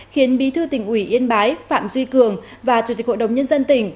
khiến bí thư tỉnh ủy yên bái phạm duy cường và chủ tịch hội đồng nhân dân tỉnh